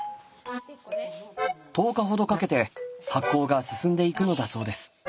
１０日ほどかけて発酵が進んでいくのだそうです。